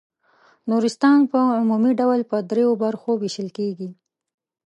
نورستان په عمومي ډول په دریو برخو وېشل کیږي.